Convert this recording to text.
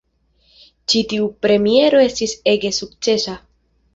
Ĉi tiu premiero estis ege sukcesa.